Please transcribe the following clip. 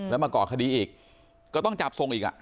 แล้วมาก่อคดีอีกก็ต้องจับส่งอีก